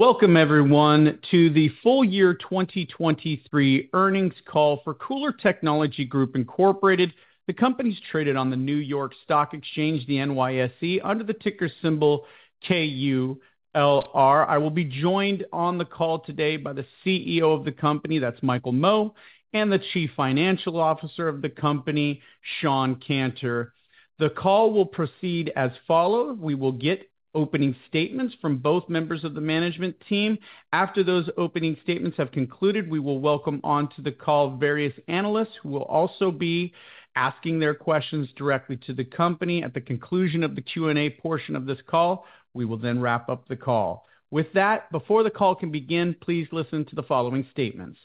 Welcome, everyone, to the full year 2023 earnings call for KULR Technology Group Incorporated. The company is traded on the New York Stock Exchange, the NYSE, under the ticker symbol KULR. I will be joined on the call today by the CEO of the company, that's Michael Mo, and the Chief Financial Officer of the company, Shawn Canter. The call will proceed as follows. We will get opening statements from both members of the management team. After those opening statements have concluded, we will welcome onto the call various analysts who will also be asking their questions directly to the company. At the conclusion of the Q&A portion of this call, we will then wrap up the call. With that, before the call can begin, please listen to the following statements.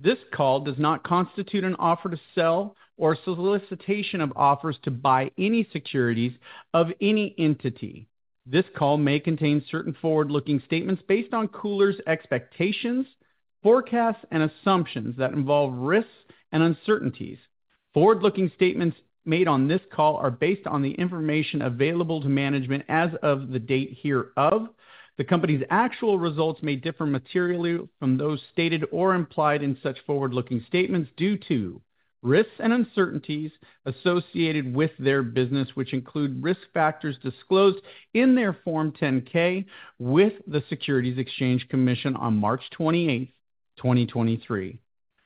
This call does not constitute an offer to sell or a solicitation of offers to buy any securities of any entity. This call may contain certain forward-looking statements based on KULR's expectations, forecasts, and assumptions that involve risks and uncertainties. Forward-looking statements made on this call are based on the information available to management as of the date hereof. The company's actual results may differ materially from those stated or implied in such forward-looking statements due to risks and uncertainties associated with their business, which include risk factors disclosed in their Form 10-K with the Securities Exchange Commission on March 28, 2023.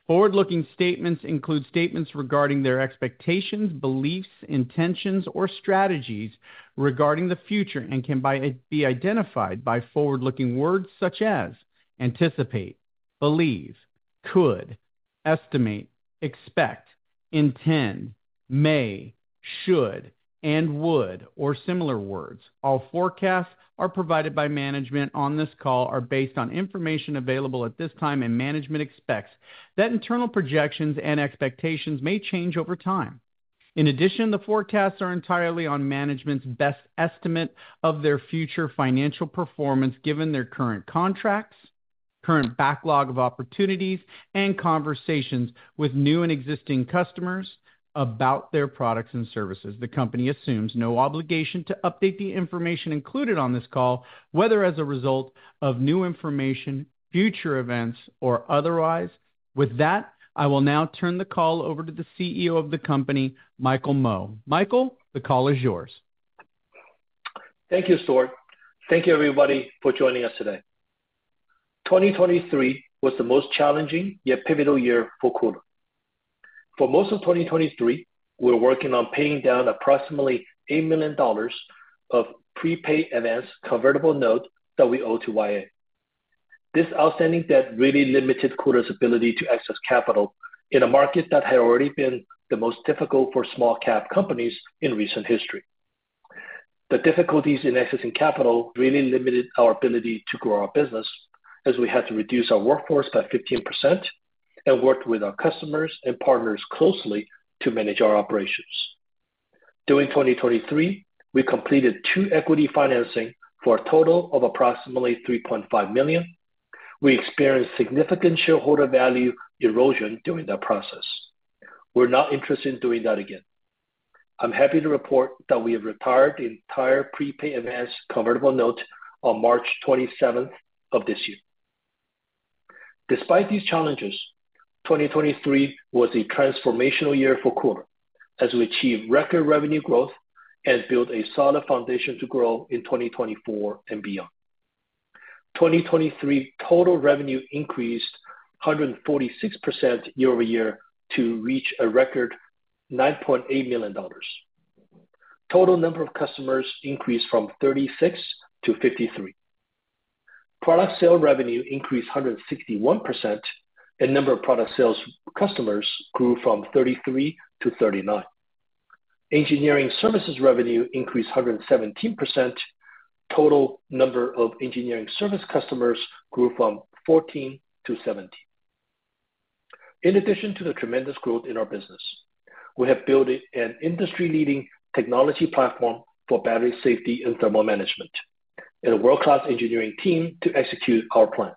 Forward-looking statements include statements regarding their expectations, beliefs, intentions, or strategies regarding the future and can be identified by forward-looking words such as anticipate, believe, could, estimate, expect, intend, may, should, and would, or similar words. All forecasts provided by management on this call are based on information available at this time and management expects that internal projections and expectations may change over time. In addition, the forecasts are entirely on management's best estimate of their future financial performance given their current contracts, current backlog of opportunities, and conversations with new and existing customers about their products and services. The company assumes no obligation to update the information included on this call, whether as a result of new information, future events, or otherwise. With that, I will now turn the call over to the CEO of the company, Michael Mo. Michael, the call is yours. Thank you, Stuart. Thank you, everybody, for joining us today. 2023 was the most challenging yet pivotal year for KULR. For most of 2023, we were working on paying down approximately $8 million of prepaid advance convertible note that we owe to YA. This outstanding debt really limited KULR's ability to access capital in a market that had already been the most difficult for small-cap companies in recent history. The difficulties in accessing capital really limited our ability to grow our business, as we had to reduce our workforce by 15% and work with our customers and partners closely to manage our operations. During 2023, we completed two equity financings for a total of approximately $3.5 million. We experienced significant shareholder value erosion during that process. We're not interested in doing that again. I'm happy to report that we have retired the entire prepaid advance convertible note on March 27 of this year. Despite these challenges, 2023 was a transformational year for KULR, as we achieved record revenue growth and built a solid foundation to grow in 2024 and beyond. 2023 total revenue increased 146% year over year to reach a record $9.8 million. Total number of customers increased from 36 to 53. Product sale revenue increased 161%, and number of product sales customers grew from 33 to 39. Engineering services revenue increased 117%. Total number of engineering service customers grew from 14 to 17. In addition to the tremendous growth in our business, we have built an industry-leading technology platform for battery safety and thermal management, and a world-class engineering team to execute our plan.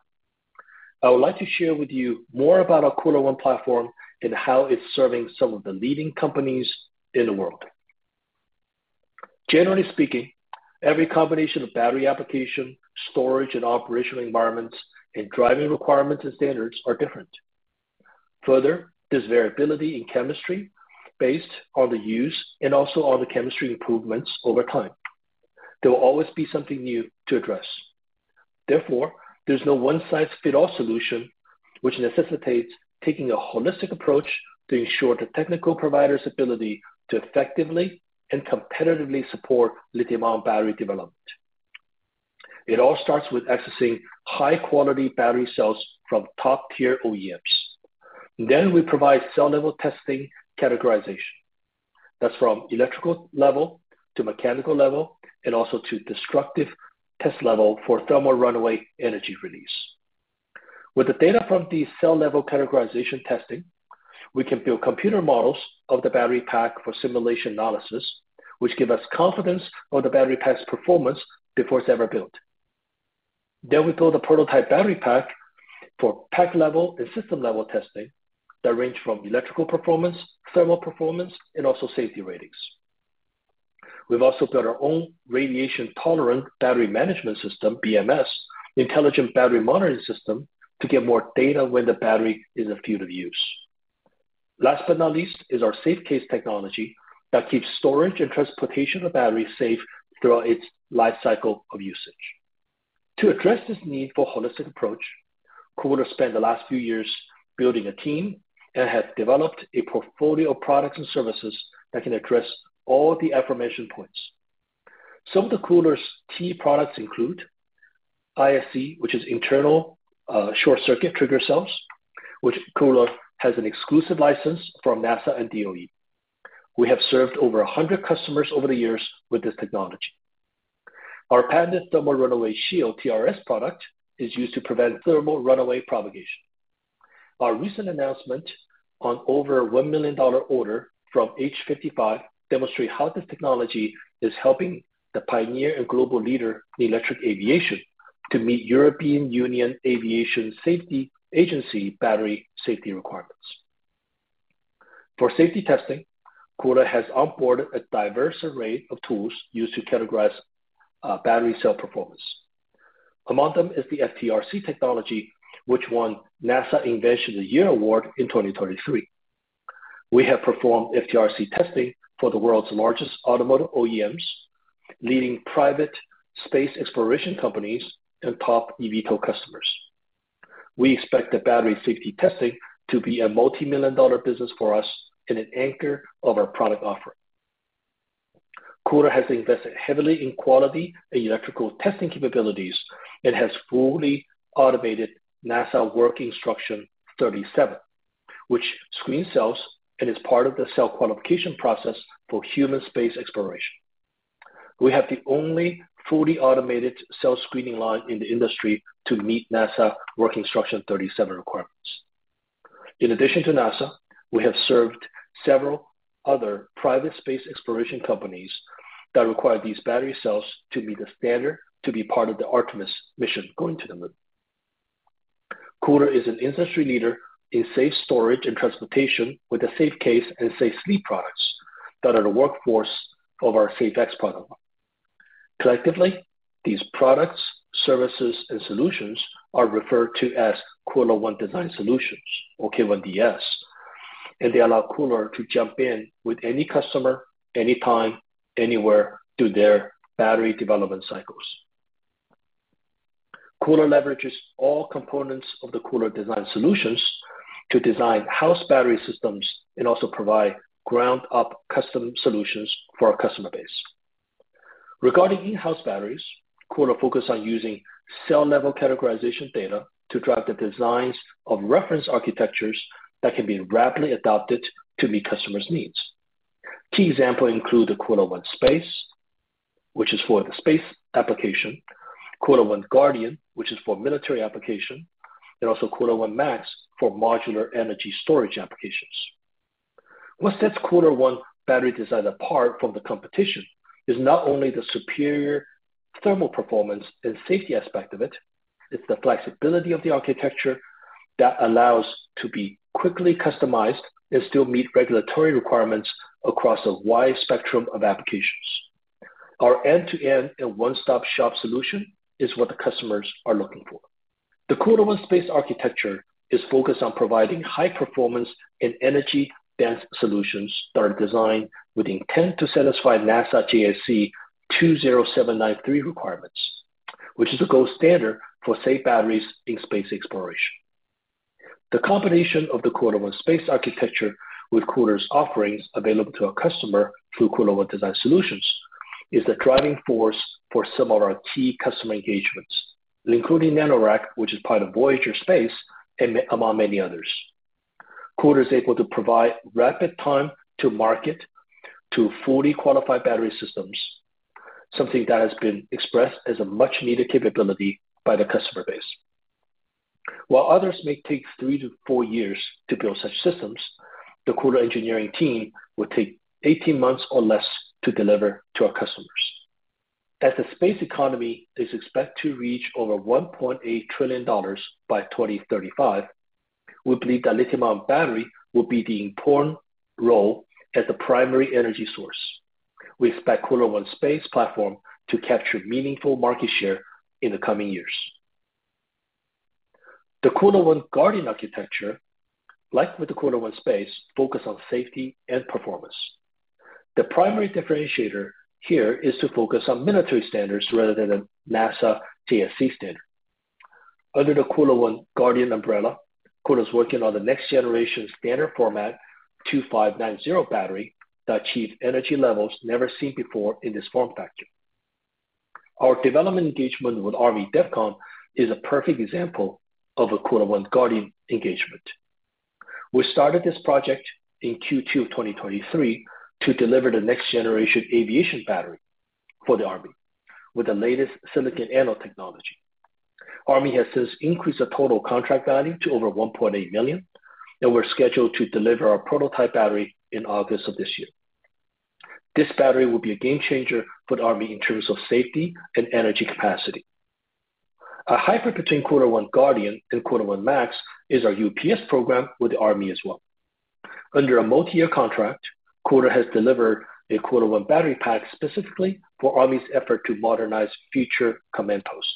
I would like to share with you more about our KULR ONE platform and how it's serving some of the leading companies in the world. Generally speaking, every combination of battery application, storage and operational environments, and driving requirements and standards are different. Further, there's variability in chemistry based on the use and also on the chemistry improvements over time. There will always be something new to address. Therefore, there's no one-size-fits-all solution, which necessitates taking a holistic approach to ensure the technical provider's ability to effectively and competitively support lithium-ion battery development. It all starts with accessing high-quality battery cells from top-tier OEMs. Then we provide cell-level testing categorization. That's from electrical level to mechanical level and also to destructive test level for thermal runaway energy release. With the data from the cell-level categorization testing, we can build computer models of the battery pack for simulation analysis, which give us confidence of the battery pack's performance before it's ever built. Then we build a prototype battery pack for pack-level and system-level testing that range from electrical performance, thermal performance, and also safety ratings. We've also built our own radiation-tolerant battery management system, BMS, Intelligent Battery Monitoring System, to get more data when the battery is a few to use. Last but not least is our SafeCASE technology that keeps storage and transportation of batteries safe throughout its lifecycle of usage. To address this need for a holistic approach, KULR has spent the last few years building a team and have developed a portfolio of products and services that can address all the aforementioned points. Some of KULR's key products include ISC, which is Internal Short Circuit Trigger Cells, which KULR has an exclusive license from NASA and DOE. We have served over 100 customers over the years with this technology. Our patented Thermal Runaway shield, TRS, product is used to prevent thermal runaway propagation. Our recent announcement on over $1 million order from H55 demonstrates how this technology is helping the pioneer and global leader in electric aviation to meet European Union Aviation Safety Agency battery safety requirements. For safety testing, KULR has onboarded a diverse array of tools used to categorize battery cell performance. Among them is the FTRC technology, which won NASA Invention of the Year award in 2023. We have performed FTRC testing for the world's largest automotive OEMs, leading private space exploration companies, and top eVTOL customers. We expect the battery safety testing to be a multimillion-dollar business for us and an anchor of our product offering. KULR has invested heavily in quality and electrical testing capabilities and has fully automated NASA Work Instruction 37, which screens cells and is part of the cell qualification process for human space exploration. We have the only fully automated cell screening line in the industry to meet NASA Work Instruction 37 requirements. In addition to NASA, we have served several other private space exploration companies that require these battery cells to meet the standard to be part of the Artemis mission going to the moon. KULR is an industry leader in safe storage and transportation with the SafeCASE and SafeSLEEVE products that are the workforce of our SafeX product line. Collectively, these products, services, and solutions are referred to as KULR ONE Design Solutions, or K1DS, and they allow KULR to jump in with any customer, anytime, anywhere through their battery development cycles. KULR leverages all components of the KULR ONE Design Solutions to design in-house battery systems and also provide ground-up custom solutions for our customer base. Regarding in-house batteries, KULR focuses on using cell-level categorization data to drive the designs of reference architectures that can be rapidly adopted to meet customers' needs. Key examples include the KULR ONE Space, which is for the space application, KULR ONE Guardian, which is for military applications, and also KULR ONE Max for modular energy storage applications. What sets KULR ONE Battery Design apart from the competition is not only the superior thermal performance and safety aspect of it. It's the flexibility of the architecture that allows it to be quickly customized and still meet regulatory requirements across a wide spectrum of applications. Our end-to-end and one-stop shop solution is what the customers are looking for. The KULR ONE Space architecture is focused on providing high-performance and energy-dense solutions that are designed with the intent to satisfy NASA JSC 20793 requirements, which is the gold standard for safe batteries in space exploration. The combination of the KULR ONE Space architecture with KULR's offerings available to our customer through KULR ONE Design Solutions is the driving force for some of our key customer engagements, including Nanoracks, which is part of Voyager Space, among many others. KULR is able to provide rapid time to market to fully qualified battery systems, something that has been expressed as a much-needed capability by the customer base. While others may take 3-4 years to build such systems, the KULR engineering team would take 18 months or less to deliver to our customers. As the space economy is expected to reach over $1.8 trillion by 2035, we believe that lithium-ion battery will be the important role as the primary energy source. We expect KULR ONE Space platform to capture meaningful market share in the coming years. The KULR ONE Guardian architecture, like with the KULR ONE Space, focuses on safety and performance. The primary differentiator here is to focus on military standards rather than the NASA JSC standard. Under the KULR ONE Guardian umbrella, KULR is working on the next-generation standard format 2590 battery that achieves energy levels never seen before in this form factor. Our development engagement with Army DEVCOM is a perfect example of a KULR ONE Guardian engagement. We started this project in Q2 of 2023 to deliver the next-generation aviation battery for the Army with the latest silicon anode technology. Army has since increased the total contract value to over $1.8 million, and we're scheduled to deliver our prototype battery in August of this year. This battery will be a game-changer for the Army in terms of safety and energy capacity. A hybrid between KULR ONE Guardian and KULR ONE Max is our UPS program with the Army as well. Under a multi-year contract, KULR has delivered a KULR ONE battery pack specifically for Army's effort to modernize future command posts.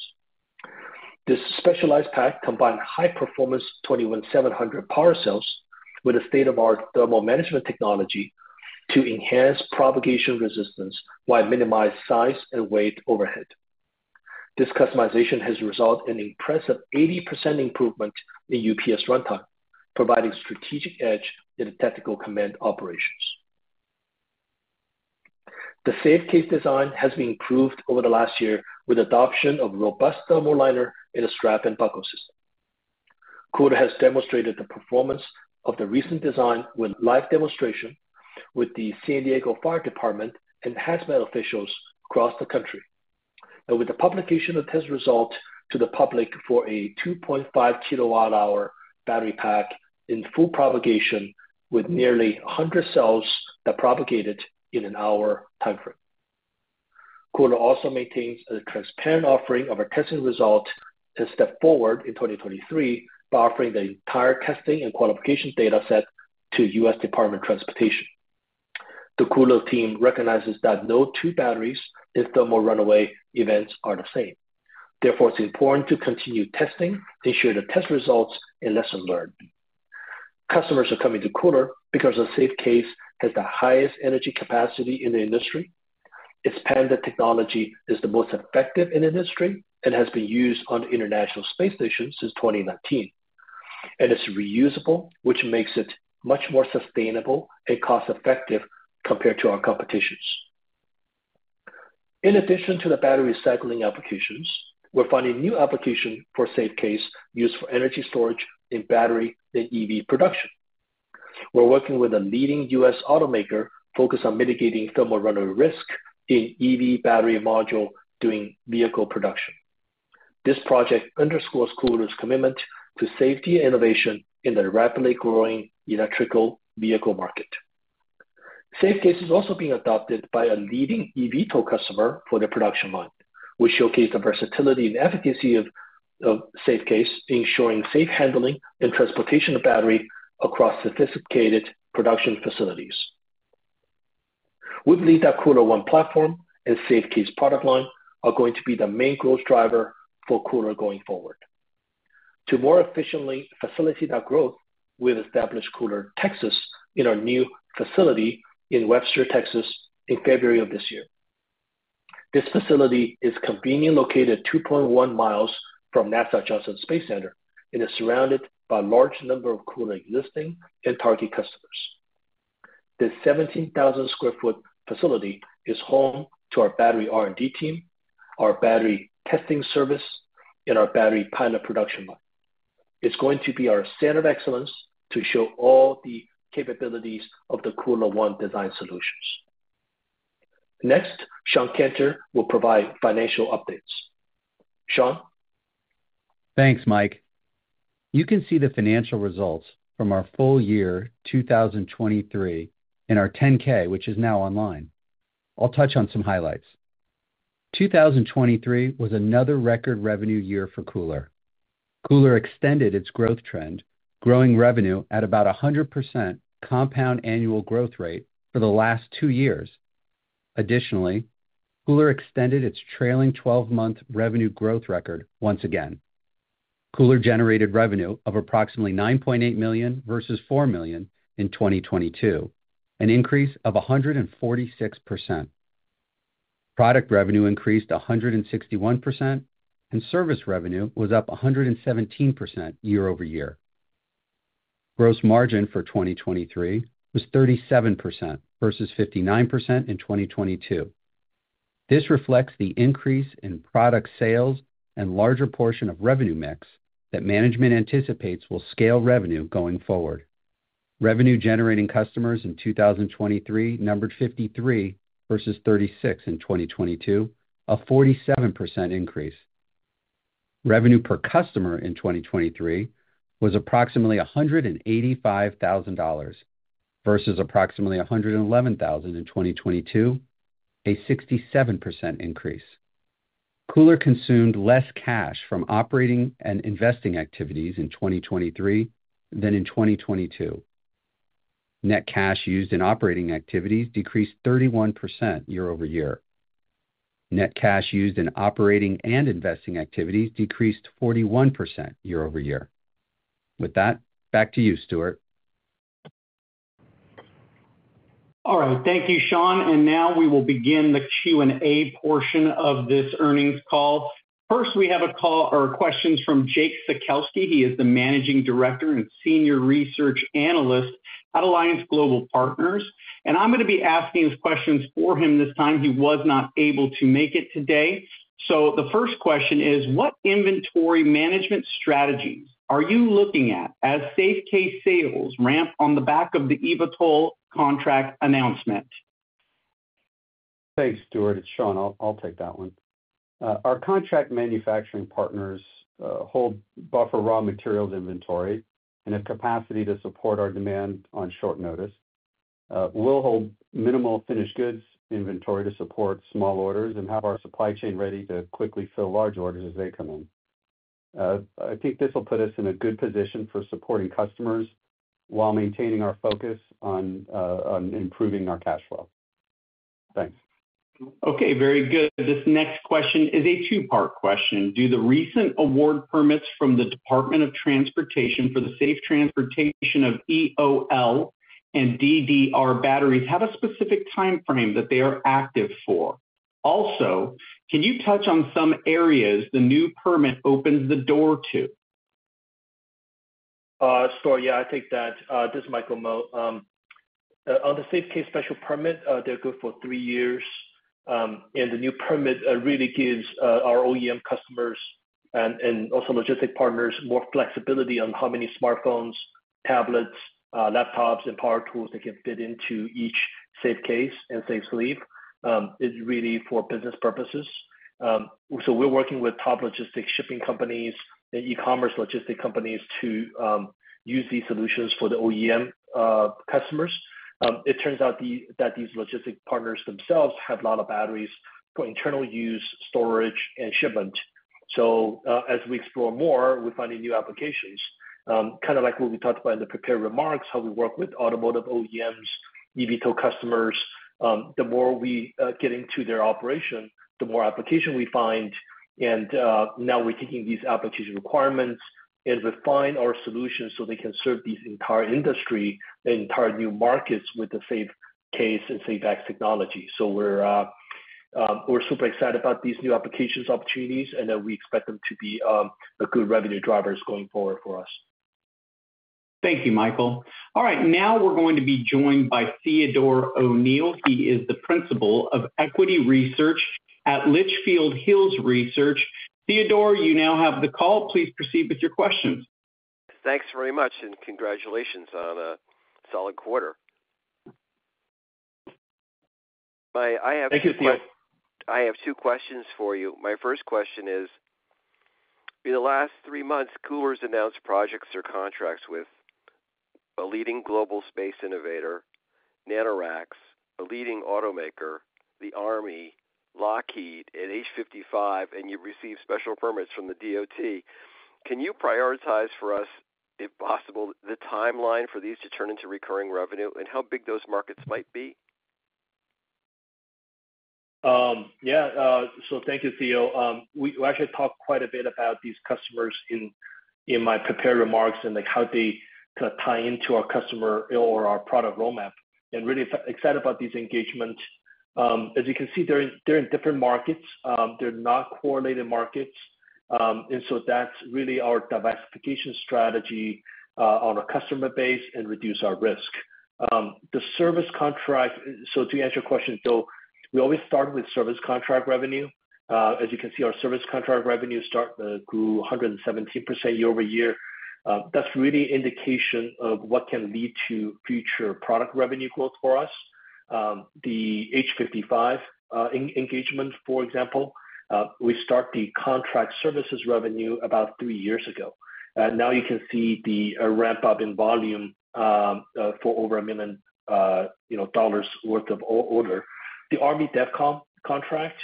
This specialized pack combines high-performance 21700 power cells with a state-of-the-art thermal management technology to enhance propagation resistance while minimizing size and weight overhead. This customization has resulted in an impressive 80% improvement in UPS runtime, providing strategic edge in the tactical command operations. The SafeCASE design has been improved over the last year with the adoption of a robust thermal liner and a strap-and-buckle system. KULR has demonstrated the performance of the recent design with live demonstration with the San Diego Fire-Rescue Department and hazmat officials across the country, and with the publication of test results to the public for a 2.5 kWh battery pack in full propagation with nearly 100 cells that propagated in an hour time frame. KULR also maintains a transparent offering of our testing results and stepped forward in 2023 by offering the entire testing and qualification data set to the U.S. Department of Transportation. The KULR team recognizes that no two batteries in thermal runaway events are the same. Therefore, it's important to continue testing, ensure the test results, and lessons learned. Customers are coming to KULR because the SafeCASE has the highest energy capacity in the industry. Its patented technology is the most effective in the industry and has been used on the International Space Station since 2019, and it's reusable, which makes it much more sustainable and cost-effective compared to our competitions. In addition to the battery recycling applications, we're finding new applications for SafeCASE used for energy storage in battery and EV production. We're working with a leading U.S. automaker focused on mitigating thermal runaway risk in EV battery modules during vehicle production. This project underscores KULR's commitment to safety and innovation in the rapidly growing electric vehicle market. SafeCASE is also being adopted by a leading eVTOL customer for their production line, which showcases the versatility and efficacy of SafeCASE, ensuring safe handling and transportation of battery across sophisticated production facilities. We believe that KULR ONE platform and SafeCASE product line are going to be the main growth driver for KULR going forward. To more efficiently facilitate that growth, we have established KULR Texas in our new facility in Webster, Texas, in February of this year. This facility is conveniently located 2.1 miles from NASA Johnson Space Center and is surrounded by a large number of KULR existing and target customers. This 17,000 sq ft facility is home to our battery R&D team, our battery testing service, and our battery pilot production line. It's going to be our standard of excellence to show all the capabilities of the KULR ONE Design Solutions. Next, Shawn Canter will provide financial updates. Shawn. Thanks, Mike. You can see the financial results from our full year 2023 in our 10-K, which is now online. I'll touch on some highlights. 2023 was another record revenue year for KULR. KULR extended its growth trend, growing revenue at about a 100% compound annual growth rate for the last two years. Additionally, KULR extended its trailing 12-month revenue growth record once again. KULR generated revenue of approximately $9.8 million versus $4 million in 2022, an increase of 146%. Product revenue increased 161%, and service revenue was up 117% year over year. Gross margin for 2023 was 37% versus 59% in 2022. This reflects the increase in product sales and larger portion of revenue mix that management anticipates will scale revenue going forward. Revenue-generating customers in 2023 numbered 53 versus 36 in 2022, a 47% increase. Revenue per customer in 2023 was approximately $185,000 versus approximately $111,000 in 2022, a 67% increase. KULR consumed less cash from operating and investing activities in 2023 than in 2022. Net cash used in operating activities decreased 31% year over year. Net cash used in operating and investing activities decreased 41% year over year. With that, back to you, Stuart. All right. Thank you, Shawn. Now we will begin the Q&A portion of this earnings call. First, we have a call or questions from Jake Sekelsky. He is the Managing Director and Senior Research Analyst at Alliance Global Partners. I'm going to be asking his questions for him this time. He was not able to make it today. So the first question is, what inventory management strategies are you looking at as SafeCASE sales ramp on the back of the eVTOL contract announcement? Thanks, Stuart. It's Shawn. I'll take that one. Our contract manufacturing partners hold buffer raw materials inventory and have capacity to support our demand on short notice. We'll hold minimal finished goods inventory to support small orders and have our supply chain ready to quickly fill large orders as they come in. I think this will put us in a good position for supporting customers while maintaining our focus on improving our cash flow. Thanks. Okay. Very good. This next question is a two-part question. Do the recent awarded permits from the Department of Transportation for the safe transportation of EOL and DDR batteries have a specific time frame that they are active for? Also, can you touch on some areas the new permit opens the door to? Stuart, yeah, I take that. This is Michael Mo. On the SafeCASE special permit, they're good for three years. The new permit really gives our OEM customers and also logistics partners more flexibility on how many smartphones, tablets, laptops, and power tools they can fit into each SafeCASE and SafeSLEEVE. It's really for business purposes. We're working with top logistics shipping companies and e-commerce logistics companies to use these solutions for the OEM customers. It turns out that these logistics partners themselves have a lot of batteries for internal use, storage, and shipment. As we explore more, we find new applications, kind of like what we talked about in the prepared remarks, how we work with automotive OEMs, eVTOL customers. The more we get into their operation, the more applications we find. Now we're taking these application requirements and refining our solutions so they can serve this entire industry, the entire new markets with the SafeCASE and SafeX technology. We're super excited about these new applications opportunities, and we expect them to be good revenue drivers going forward for us. Thank you, Michael. All right. Now we're going to be joined by Theodore O'Neill. He is the Principal of Equity Research at Litchfield Hills Research. Theodore, you now have the call. Please proceed with your questions. Thanks very much, and congratulations on a solid quarter. I have two questions for you. My first question is, in the last three months, KULR has announced projects or contracts with a leading global space innovator, Nanoracks, a leading automaker, the Army, Lockheed, and H55, and you've received special permits from the DOT. Can you prioritize for us, if possible, the timeline for these to turn into recurring revenue and how big those markets might be? Yeah. So thank you, Theo. We actually talked quite a bit about these customers in my prepared remarks and how they kind of tie into our customer or our product roadmap. And really excited about this engagement. As you can see, they're in different markets. They're not correlated markets. And so that's really our diversification strategy on our customer base and reduce our risk. The service contract, so to answer your question, though, we always start with service contract revenue. As you can see, our service contract revenue grew 117% year-over-year. That's really an indication of what can lead to future product revenue growth for us. The H55 engagement, for example, we started the contract services revenue about three years ago. Now you can see the ramp-up in volume for over $1 million worth of order. The U.S. Army DEVCOM contract,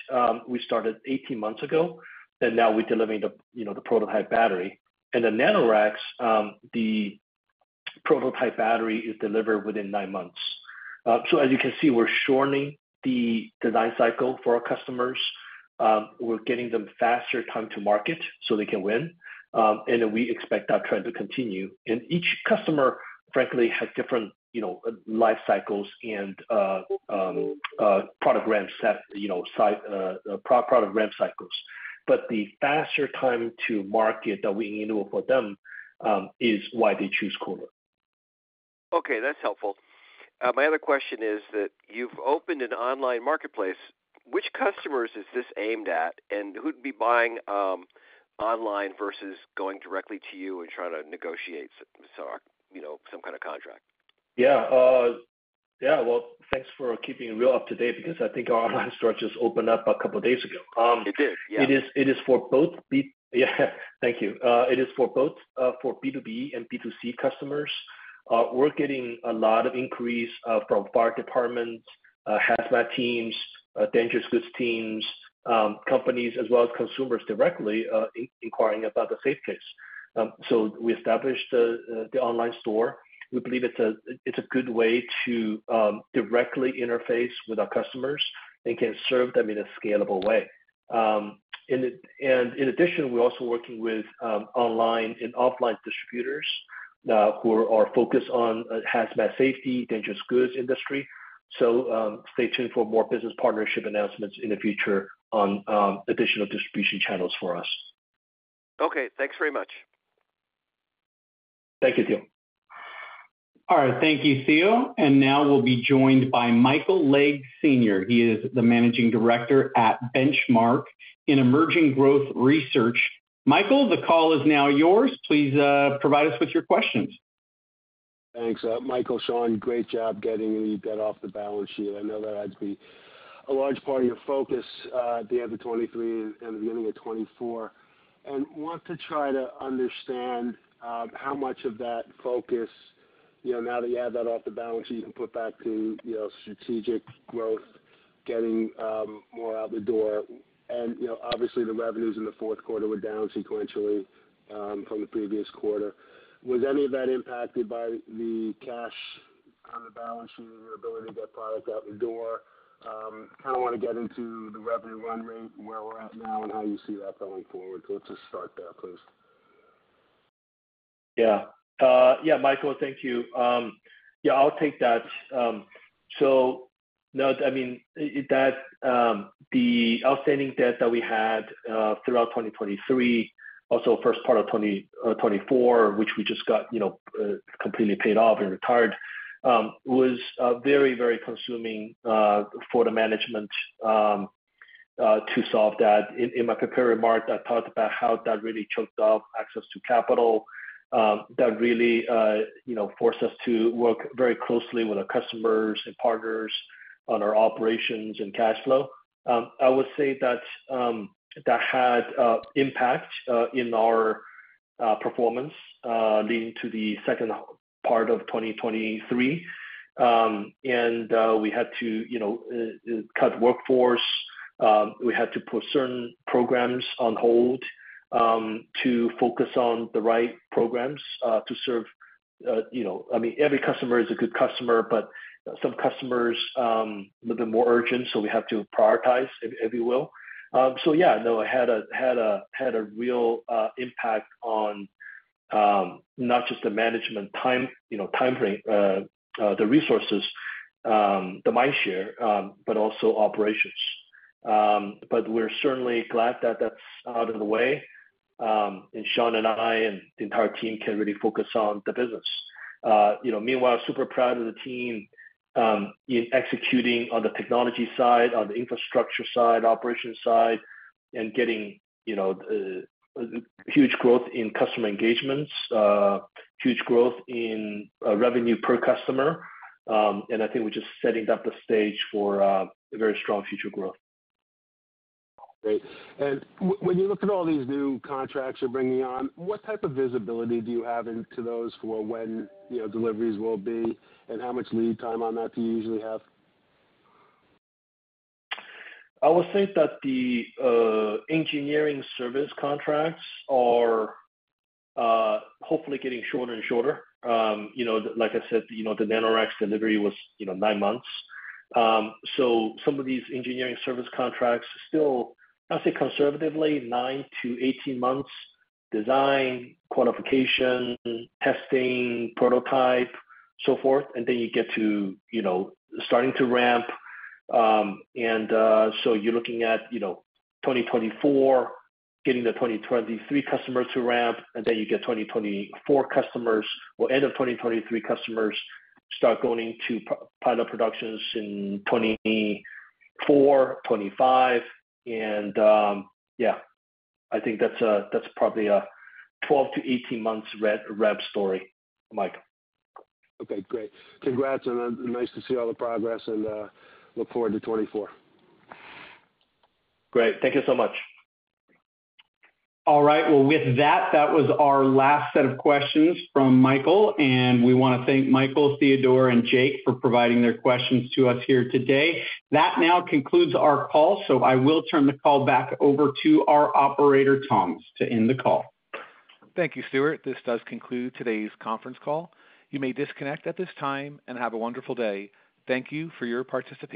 we started 18 months ago, and now we're delivering the prototype battery. The Nanoracks, the prototype battery is delivered within 9 months. As you can see, we're shortening the design cycle for our customers. We're getting them faster time to market so they can win. We expect that trend to continue. Each customer, frankly, has different life cycles and product ramp cycles. The faster time to market that we enable for them is why they choose KULR. Okay. That's helpful. My other question is that you've opened an online marketplace. Which customers is this aimed at, and who'd be buying online versus going directly to you and trying to negotiate some kind of contract? Yeah. Yeah. Well, thanks for keeping it real up-to-date because I think our online store just opened up a couple of days ago. It did. Yeah. It is for both, yeah. Thank you. It is for both B2B and B2C customers. We're getting a lot of increase from fire departments, hazmat teams, dangerous goods teams, companies, as well as consumers directly inquiring about the SafeCASE. So we established the online store. We believe it's a good way to directly interface with our customers and can serve them in a scalable way. In addition, we're also working with online and offline distributors who are focused on hazmat safety, dangerous goods industry. So stay tuned for more business partnership announcements in the future on additional distribution channels for us. Okay. Thanks very much. Thank you, Theo. All right. Thank you, Theo. Now we'll be joined by Michael Legg. He is the Managing Director at Benchmark in Emerging Growth Research. Michael, the call is now yours. Please provide us with your questions. Thanks, Michael. Shawn, great job getting you that off the balance sheet. I know that had to be a large part of your focus at the end of 2023 and the beginning of 2024. And want to try to understand how much of that focus, now that you have that off the balance sheet, you can put back to strategic growth, getting more out the door. And obviously, the revenues in the fourth quarter were down sequentially from the previous quarter. Was any of that impacted by the cash on the balance sheet and your ability to get product out the door? Kind of want to get into the revenue run rate, where we're at now, and how you see that going forward. So let's just start there, please. Yeah. Yeah, Michael, thank you. Yeah, I'll take that. So no, I mean, the outstanding debt that we had throughout 2023, also first part of 2024, which we just got completely paid off and retired, was very, very consuming for the management to solve that. In my prepared remark, I talked about how that really choked off access to capital. That really forced us to work very closely with our customers and partners on our operations and cash flow. I would say that had impact in our performance leading to the second part of 2023. We had to cut workforce. We had to put certain programs on hold to focus on the right programs to serve. I mean, every customer is a good customer, but some customers are a little bit more urgent, so we have to prioritize, if you will. So yeah, no, it had a real impact on not just the management timeframe, the resources, the mindshare, but also operations. But we're certainly glad that that's out of the way. And Sean and I and the entire team can really focus on the business. Meanwhile, super proud of the team in executing on the technology side, on the infrastructure side, operation side, and getting huge growth in customer engagements, huge growth in revenue per customer. And I think we're just setting up the stage for very strong future growth. Great. And when you look at all these new contracts you're bringing on, what type of visibility do you have into those for when deliveries will be, and how much lead time on that do you usually have? I would say that the engineering service contracts are hopefully getting shorter and shorter. Like I said, the Nanoracks' delivery was 9 months. So some of these engineering service contracts still, I'd say conservatively, 9-18 months, design, qualification, testing, prototype, so forth. And then you get to starting to ramp. And so you're looking at 2024, getting the 2023 customers to ramp, and then you get 2024 customers or end of 2023 customers start going into pilot productions in 2024, 2025. And yeah, I think that's probably a 12-18 months rep story, Michael. Okay. Great. Congrats. Nice to see all the progress and look forward to 2024. Great. Thank you so much. All right. Well, with that, that was our last set of questions from Michael. And we want to thank Michael, Theodore, and Jake for providing their questions to us here today. That now concludes our call. So I will turn the call back over to our operator, Tom, to end the call. Thank you, Stuart. This does conclude today's conference call. You may disconnect at this time and have a wonderful day. Thank you for your participation.